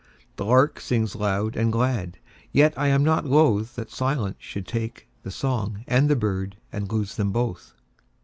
The lark sings loud and glad, Yet I am not lothThat silence should take the song and the birdAnd lose them both.